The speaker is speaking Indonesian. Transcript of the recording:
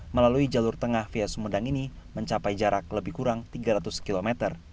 melalui jalur tengah via sumedang ini mencapai jarak lebih kurang tiga ratus km